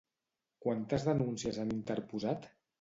Quantes denúncies han interposat?